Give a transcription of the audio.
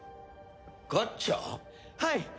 はい！